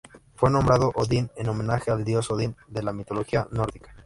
Fue nombrado Odin en homenaje al dios Odín de la mitología nórdica.